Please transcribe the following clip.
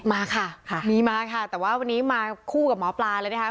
มาค่ะมีมาค่ะแต่ว่าวันนี้มาคู่กับหมอปลาเลยนะคะ